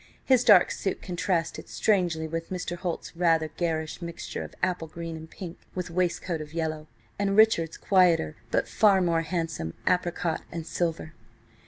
His dark suit contrasted strangely with Mr. Holt's rather garish mixture of apple green and pink, with waistcoat of yellow, and Richard's quieter, but far more handsome apricot and silver.